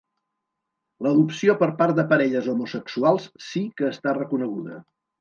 L'adopció per part de parelles homosexuals sí que està reconeguda.